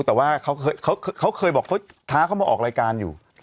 แต่ว่าเขาเคยบอกเขาท้าเขามาออกรายการอยู่